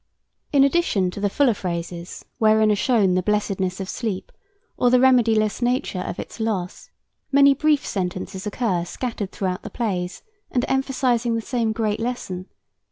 In addition to the fuller phrases wherein are shown the blessedness of sleep, or the remediless nature of its loss, many brief sentences occur scattered throughout the plays, and emphasizing the same great lesson.